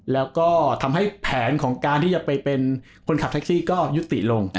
แล้วก็ทำให้แผนของการที่จะไปเป็นคนขับแท็กซี่ก็ยุติลง